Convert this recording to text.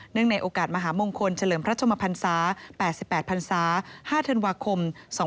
ในโอกาสมหาภาคมงคลเฉลิมพระชมพันศา๑๙๘๘ห้าเทือนวาคม๒๕๕๘